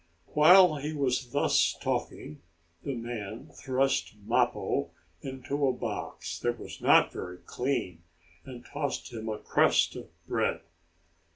While he was thus talking the man thrust Mappo into a box, that was not very clean, and tossed him a crust of bread.